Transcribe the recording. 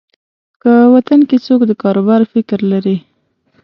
که وطن کې څوک د کاروبار فکر لري.